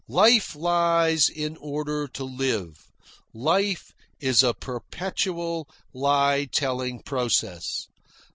Life lies in order to live. Life is a perpetual lie telling process.